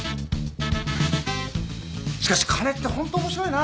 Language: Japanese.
しかし金ってホント面白いな。